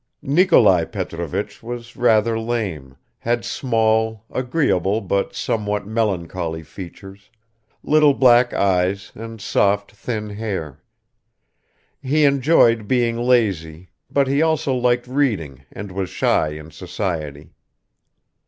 Nikolai Petrovich was rather lame, had small, agreeable but somewhat melancholy features, little black eyes and soft thin hair; he enjoyed being lazy, but he also liked reading and was shy in society.